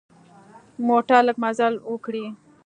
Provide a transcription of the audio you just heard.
موټر لږ مزل وکړي.